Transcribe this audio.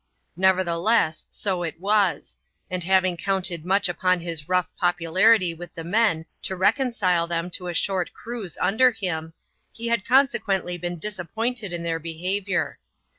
Nevertheless, so it was ; and having counted much upon his rough popularity with the men to reconcile them to a short cruise under him, he had consequently been disappointed in their behaviour.